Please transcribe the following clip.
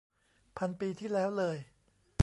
พันปีที่แล้วเลย